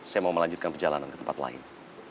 saya mau melanjutkan perjalanan ke tempat lain